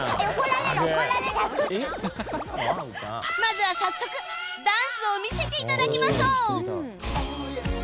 まずは早速ダンスを見せて頂きましょう！